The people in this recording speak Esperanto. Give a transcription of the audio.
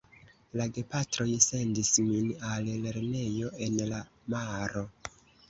La gepatroj sendis min al lernejo en la maro.